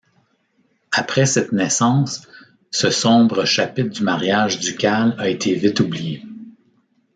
Après cette naissance, ce sombre chapitre du mariage ducal a été vite oublié.